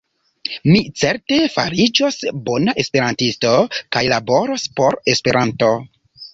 Mi certe fariĝos bona esperantisto kaj laboros por Esperanto.